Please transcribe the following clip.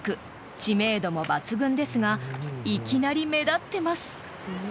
知名度も抜群ですがいきなり目立ってます］